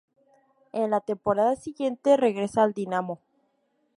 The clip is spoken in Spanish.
En la temporada siguiente regresa al Dinamo.